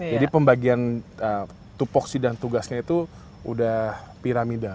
jadi pembagian tupuksi dan tugasnya itu sudah piramida